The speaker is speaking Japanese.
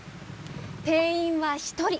定員は１人。